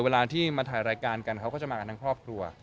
เวลาที่มาถ่ายรายการกันเขาก็จะมากันทั้งครอบครัว